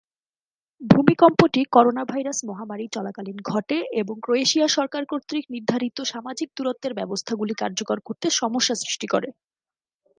ভূমিকম্পটি coronavirus মহামারী চলাকালীন ঘটে এবং ক্রোয়েশিয়া সরকার কর্তৃক নির্ধারিত সামাজিক দূরত্বের ব্যবস্থাগুলি কার্যকর করতে সমস্যা সৃষ্টি করে।